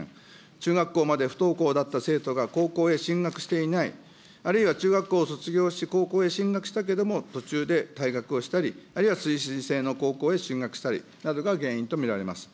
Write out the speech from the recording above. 中学校まで不登校だった生徒が高校へ進学していない、あるいは中学校を卒業して高校へ進学したけれども、途中で退学をしたり、あるいは通信制の高校に進学したりなどが原因と見られます。